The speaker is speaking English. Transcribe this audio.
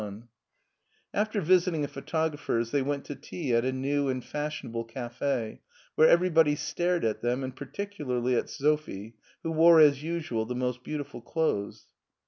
3o6 MARTIN SCHULER After visiting a photographer's they went to tea at a new and fashionable cafe, where everybody stared at them, and particularly at Sophie, who wore as usual the most beautiful clothes.